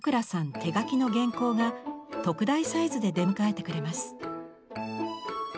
手書きの原稿が特大サイズで出迎えてくれます。